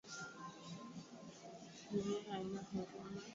Dunia haina huruma